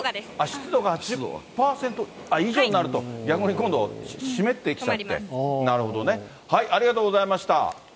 湿度が８０％以上になると、逆に今度、湿ってきちゃって、なるほどね、ありがとうございました。